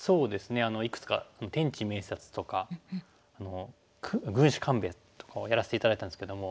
いくつか「天地明察」とか「軍師官兵衛」とかをやらせて頂いたんですけども。